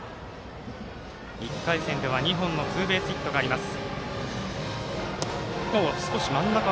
１回戦では２本のツーベースヒットがあります。